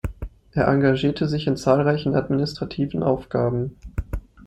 Er engagierte sich in zahlreichen administrativen Aufgaben.